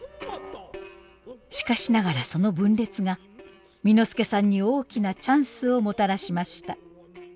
しかしながらその分裂が簑助さんに大きなチャンスをもたらしました。